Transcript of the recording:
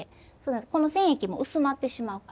この染液も薄まってしまうからね。